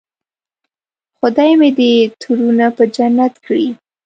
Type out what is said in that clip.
خدای مې دې ترونه په جنت کړي.